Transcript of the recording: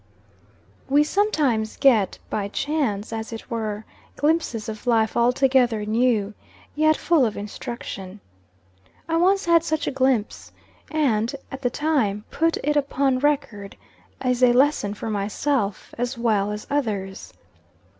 WE sometimes get, by chance, as it were, glimpses of life altogether new, yet full of instruction. I once had such a glimpse, and, at the time, put it upon record as a lesson for myself as well as others.